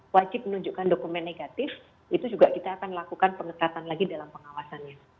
wajib menunjukkan dokumen negatif itu juga kita akan lakukan pengetatan lagi dalam pengawasannya